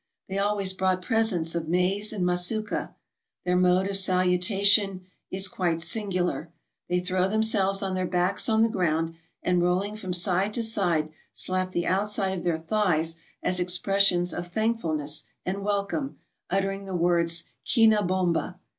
They always brought presents of maize and masuka. Their mode of salutation i: quite singular. They throw themselves on their backs on the ground, and rolling from side to side, slap the outside of their thighs as expressions of thankful ness and welcome, uttering the words " Kina bomba.